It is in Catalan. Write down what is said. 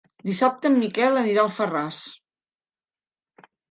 Dissabte en Miquel anirà a Alfarràs.